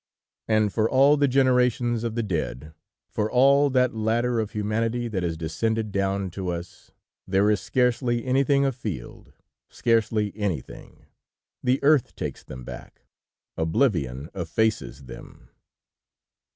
"And for all the generations of the dead, for all that ladder of humanity that has descended down to us, there is scarcely anything afield, scarcely anything! The earth takes them back, oblivion effaces them.